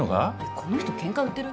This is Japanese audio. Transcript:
この人ケンカ売ってる？